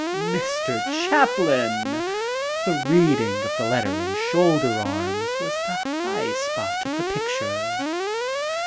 "Mr. Chaplin, the reading of the letter in 'Shoulder Arms* was the high spot of the picture."